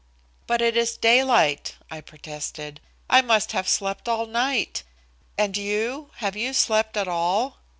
"But it is daylight," I protested. "I must have slept all night. And you? Have you slept at all?"